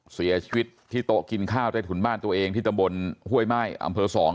เสียชีวิตที่โต๊ะกินข้าวใต้ถุนบ้านตัวเองที่ตำบลห้วยม่ายอำเภอ๒